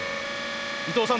伊藤さん